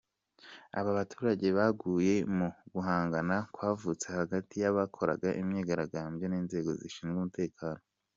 Aba baturage baguye mu guhangana kwavutse hagati y’abakoraga imyigaragambyo n’inzego zishinzwe umutekano.